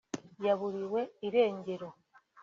yaburiwe irengero